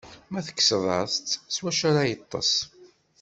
Ma tekkseḍ-as-t, deg wacu ara yeṭṭeṣ?